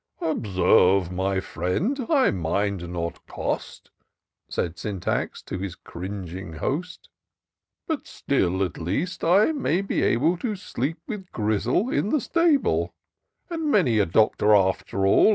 " Observe^ my fidend^ I mind not cost," Says Sjmtax to his cringing host ;" But still, at least, I may be able To sleep with Grizzle in the stable ; And many a Doctor, after all.